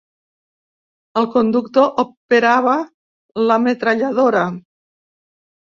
El conductor operava la metralladora.